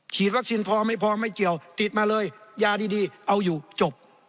วัคซีนพอไม่พอไม่เกี่ยวติดมาเลยยาดีเอาอยู่จบ